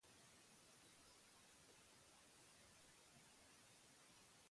Barrualdea erabat egurrez egina da.